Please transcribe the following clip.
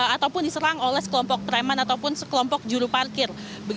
ataupun diserang oleh sekelompok preman ataupun sekelompok juru parkir